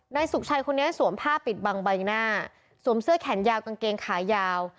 นายสุขชัยคนนี้สวมผ้าปิดบังใบหน้าสวมเสื้อแขนยาวกางเกงขายาว